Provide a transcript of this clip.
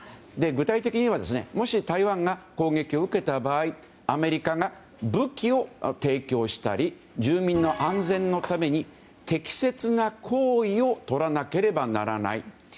具体的にはもし台湾が攻撃を受けた場合アメリカが武器を提供したり住民の安全のために適切な行為をとらなければならない。